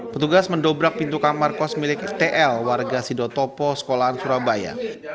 petugas mendobrak pintu kamar kos milik tl warga sidotopo sekolahan surabaya